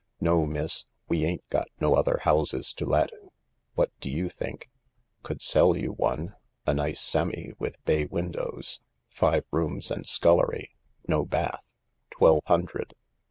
No, miss, we ain't got no other houses to let— what do you think ? Could sell you one — a nice semi with bay windows, five rooms and scullery. No bath. Twelve hundred.